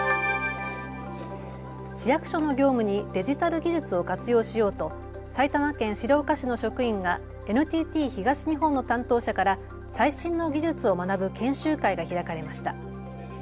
市役所の業務にデジタル技術を活用しようと埼玉県白岡市の職員がＮＴＴ東日本の担当者から最新の技術を学ぶ研修会が開かれました。